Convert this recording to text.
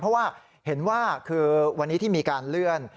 เพราะว่าเห็นว่าคือวันนี้ที่มีการเลื่อน